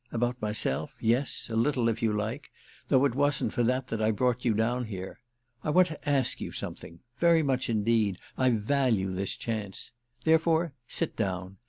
About myself, yes, a little, if you like; though it wasn't for that I brought you down here. I want to ask you something—very much indeed; I value this chance. Therefore sit down.